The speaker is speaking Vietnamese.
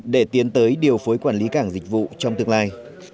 để tiến tới điều phối quản lý cảng dịch vụ trong tương lai